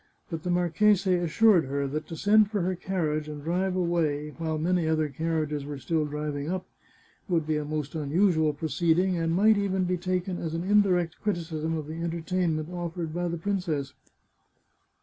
But the marchese assured her that to send for her carriage and drive away, while many other carriages were still driving up, would be a most unusual proceeding, and might even be taken as an indirect criticism of the entertainment offered by the princess.